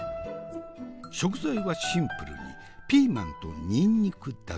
食材はシンプルにピーマンとニンニクだけ。